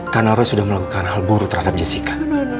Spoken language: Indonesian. karena roy sudah melakukan hal buruk terhadap jessica